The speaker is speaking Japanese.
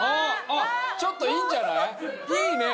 あっちょっといいんじゃない？いいね！